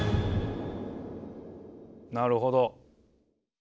なるほど。